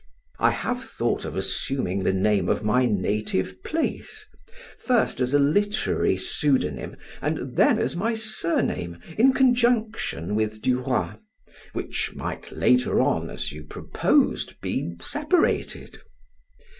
I have thought of assuming the name of my native place, first as a literary pseudonym and then as my surname in conjunction with Duroy, which might later on, as you proposed, be separated."